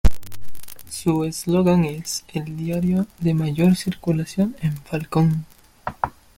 Su eslogan es "El Diario de mayor circulación en Falcón".